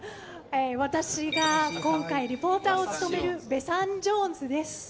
私が今回、リポーターを務めるベサン・ジョーンズです。